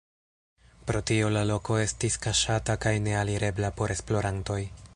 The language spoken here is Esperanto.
Pro tio la loko estis kaŝata kaj nealirebla por esplorantoj.